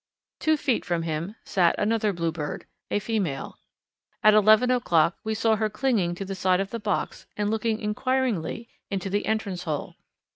Two feet from him sat another Bluebird a female. At eleven o'clock we saw her clinging to the side of the box and looking inquiringly into the entrance hole.